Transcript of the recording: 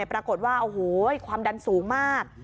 ปรากฏว่าโอ้โหความดันสูงมาก